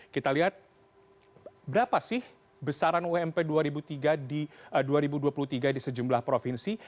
kita lihat berapa sih besaran ump dua ribu dua puluh tiga di sejumlah provinsi